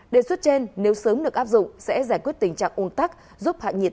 đề xuất trên nếu sớm được áp dụng sẽ giải quyết tình trạng ôn tắc giúp hạ nhiệt